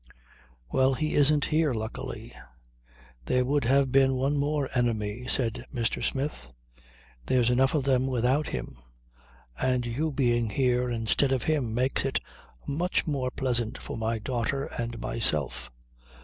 "Well, he isn't here, luckily. There would have been one more enemy," said Mr. Smith. "There's enough of them without him. And you being here instead of him makes it much more pleasant for my daughter and myself.